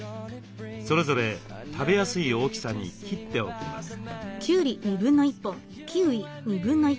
それぞれ食べやすい大きさに切っておきます。